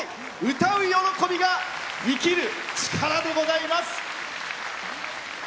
歌う喜びが生きる力でございます。